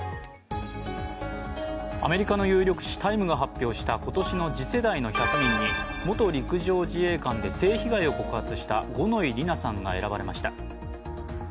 アメリカの有力誌「タイム」が発表した今年の「次世代の１００人」に元陸上自衛官で性被害を告発した五ノ井里奈さんが選ばれました。